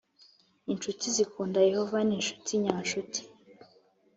incuti zikunda yehova ni zo ncuti nyancuti